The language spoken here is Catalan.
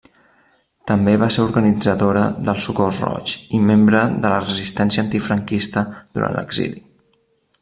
També va ser organitzadora del Socors Roig i membre de la resistència antifranquista durant l'exili.